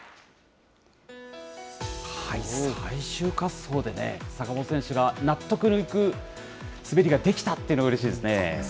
最終滑走でね、坂本選手が納得のいく滑りができたっていうのがうれしいですね。